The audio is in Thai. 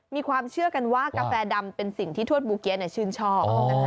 มีความเชื่อกันว่ากาแฟดำเป็นสิ่งที่ทวดบูเกี๊ยชื่นชอบ